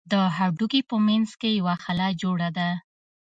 د هډوکي په منځ کښې يوه خلا جوړه ده.